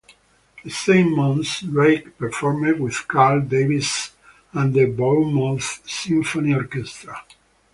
The same month Drake performed with Carl Davis and the Bournemouth Symphony Orchestra.